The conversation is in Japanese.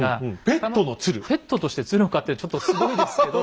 ペットとして鶴を飼ってるってちょっとすごいですけど。